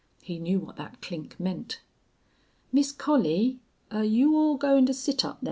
He knew what that clink meant. "Miss Collie, air you all goin' to sit up thar?"